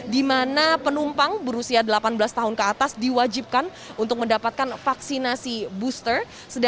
di mana penumpang berusia delapan belas tahun ke atas diwajibkan untuk mendapatkan vaksinasi booster